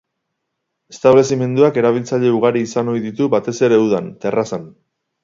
Establezimenduak erabiltzaile ugari izan ohi ditu, batez ere udan, terrazan.